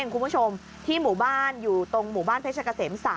คุณผู้ชมที่หมู่บ้านอยู่ตรงหมู่บ้านเพชรเกษม๓